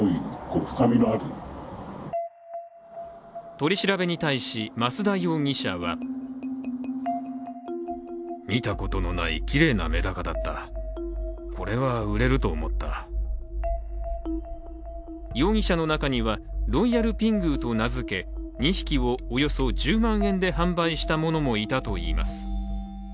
取り調べに対し、増田容疑者は容疑者の中にはロイヤルピングーと名付け、２匹をおよそ１０万円で販売した者もいたといいます。